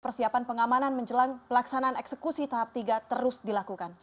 persiapan pengamanan menjelang pelaksanaan eksekusi tahap tiga terus dilakukan